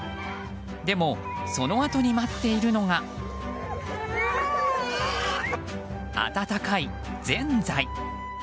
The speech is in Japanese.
でも、そのあとに待っているのが温かいぜんざい。